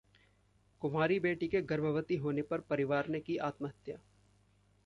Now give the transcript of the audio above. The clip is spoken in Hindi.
कुंवारी बेटी के गर्भवती होने पर परिवार ने की आत्महत्या